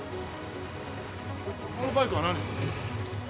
このバイクは何するの？